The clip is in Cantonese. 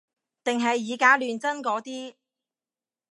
定係以假亂真嗰啲